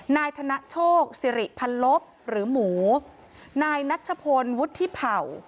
นายธนโชคสิริพันลบหรือหมูนายนัชพลวุฒิเผ่า